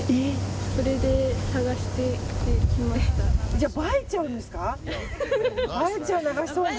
じゃあ映えちゃうんですか。